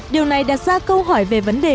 điều này đặt ra câu hỏi về vấn đề